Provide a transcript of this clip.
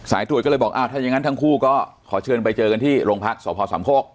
ตรวจก็เลยบอกอ้าวถ้ายังงั้นทั้งคู่ก็ขอเชิญไปเจอกันที่โรงพักษพสามโคก